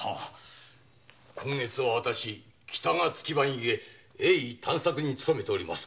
今月は私北が月番ゆえ鋭意探索に勤めております。